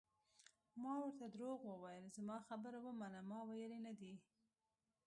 ما ورته درواغ وویل: زما خبره ومنه، ما ویلي نه دي.